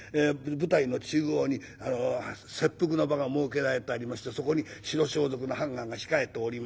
舞台の中央に切腹の場が設けられたりもしてそこに白装束の判官が控えておりましてね。